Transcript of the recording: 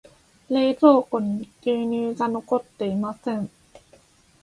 冷蔵庫に牛乳が残っていません。